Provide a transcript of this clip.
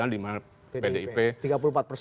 sembilan puluh sembilan dimana pdip